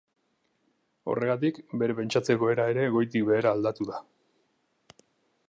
Horregatik, bere pentsatzeko era ere goitik behera aldatu da.